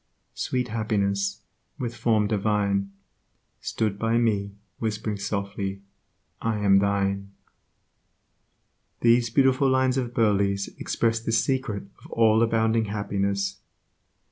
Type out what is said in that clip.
sweet Happiness, with form divine, Stood by me, whispering softly, 'I am thine'. These beautiful lines of Burleigh's express the secret of all abounding happiness.